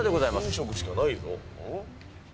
飲食しかないぞ。